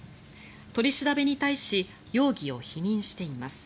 取り調べに対し容疑を否認しています。